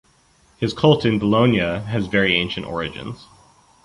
His cult in Bologna has very ancient origins.